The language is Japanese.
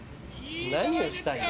何をしたいの？